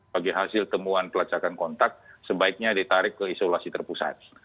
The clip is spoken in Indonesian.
bagi hasil temuan pelacakan kontak sebaiknya ditarik ke isolasi terpusat